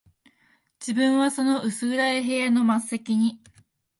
自分はその薄暗い部屋の末席に、